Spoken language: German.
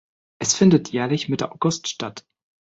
Es findet jährlich Mitte August statt.